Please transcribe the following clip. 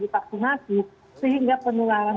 divaksinasi sehingga penularan